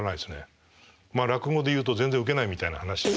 まあ落語で言うと全然受けないみたいな話ですけど。